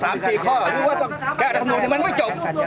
ว่าต้องแก้นักการเมืองแต่มันไม่จบ